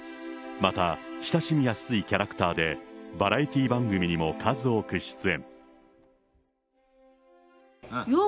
また、親しみやすいキャラクターで、バラエティー番組にも数多く出演。